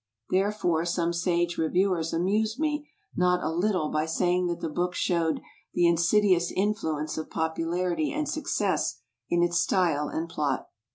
Therefore some sage review ers amused me not a little by saying that the book showed "the insidious influence of popularity and success" in its style and plot!